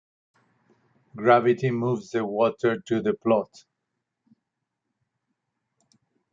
Gravity moves the water to the plot.